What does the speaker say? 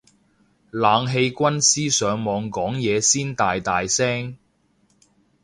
冷氣軍師上網講嘢先大大聲